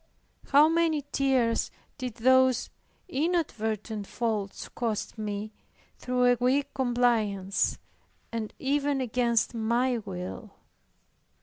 How many tears did those inadvertent faults cost me, through a weak compliance, and even against my will!